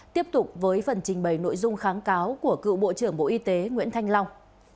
tiếp tục với phần trình bày nội dung kháng cáo của cựu bộ trưởng bộ y tế nguyễn thanh long